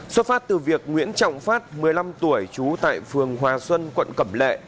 xuất phát từ việc nguyễn trọng phát một mươi năm tuổi trú tại phường hòa xuân quận cẩm lệ